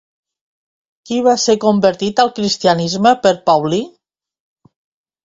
Qui va ser convertit al cristianisme per Paulí?